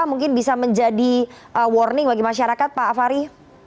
mungkin bisa menjadi warning bagi masyarakat pak fahri